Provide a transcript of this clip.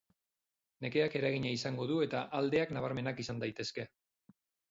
Nekeak eragina izango du eta aldeak nabarmenak izan daitezke.